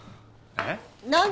えっ？何？